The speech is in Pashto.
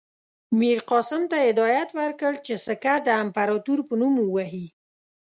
میرقاسم ته یې هدایت ورکړ چې سکه د امپراطور په نامه ووهي.